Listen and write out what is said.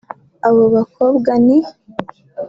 Abo bakobwa ni